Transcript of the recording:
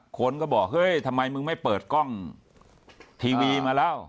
คนก็บอกเฮ้ยทำไมมึงไม่เปิดกล้องทีวีมาแล้ว